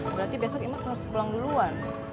berarti besok imas harus pulang duluan